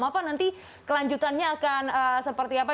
bapak nanti kelanjutannya akan seperti apa